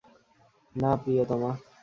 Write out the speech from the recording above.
না, প্রিয়তমা।